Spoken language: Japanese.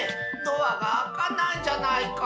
ドアがあかないじゃないか。